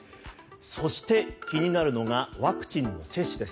そして、気になるのがワクチンの接種です。